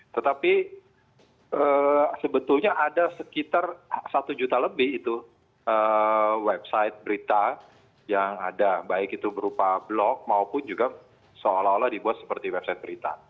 tetapi sebetulnya ada sekitar satu juta lebih itu website berita yang ada baik itu berupa blog maupun juga seolah olah dibuat seperti website berita